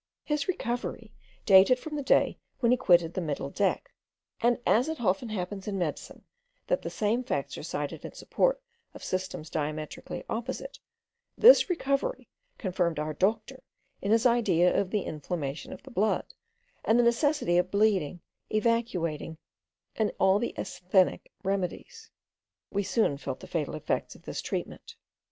His recovery dated from the day when he quitted the middle deck; and as it often happens in medicine that the same facts are cited in support of systems diametrically opposite, this recovery confirmed our doctor in his idea of the inflammation of the blood, and the necessity of bleeding, evacuating, and all the asthenic remedies. We soon felt the fatal effects of this treatment.